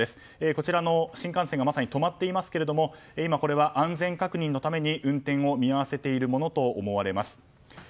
こちらの新幹線がまさに止まっていますが今、安全確認のために運転を見合わせているものと思われます。